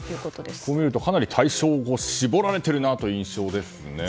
こう見ると、かなり対象が絞られているなという印象ですね。